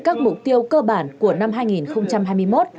các mục tiêu cơ bản của năm hai nghìn hai mươi một